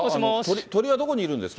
鳥はどこにいるんですか？